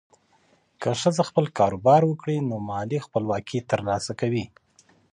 که ښځه خپل کاروبار وکړي، نو مالي خپلواکي ترلاسه کوي.